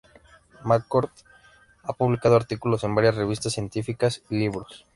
McCord ha publicado artículos en varias revistas científicas y libros.